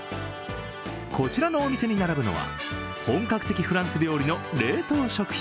こちらのお店に並ぶのは本格的フランス料理の冷凍食品